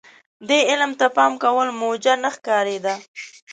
دې علم ته پام کول موجه نه ښکارېده.